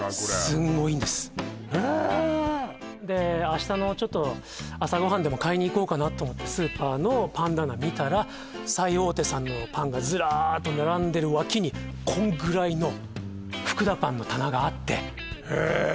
明日のちょっと朝ご飯でも買いに行こうかなと思ってスーパーのパン棚見たら最大手さんのパンがズラーッと並んでる脇にこんぐらいの福田パンの棚があってへえ